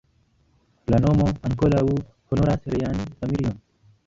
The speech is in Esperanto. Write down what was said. La nomo ankaŭ honoras lian familion.